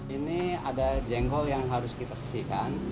ini ada jengkol yang harus kita sisihkan